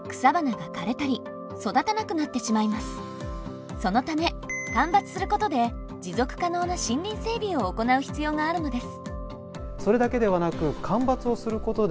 実はそのため間伐することで持続可能な森林整備を行う必要があるのです。